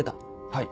はい。